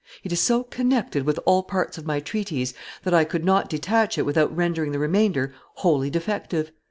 It is so connected with all parts of my treatise that I could not detach it without rendering the remainder wholly defective.